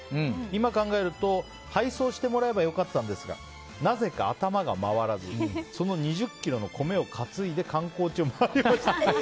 今考えると配送してもらえばよかったんですがなぜか、頭が回らずその２０ｋｇの米を担いで観光地を回りました。